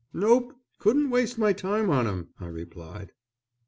"Nope, couldn't waste my time on 'em," I replied.